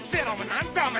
何だよお前。